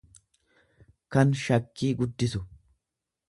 kan shakkii guddisu.